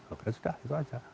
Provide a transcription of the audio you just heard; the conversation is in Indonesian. oke sudah itu aja